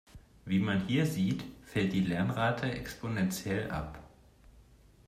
Wie man hier sieht, fällt die Lernrate exponentiell ab.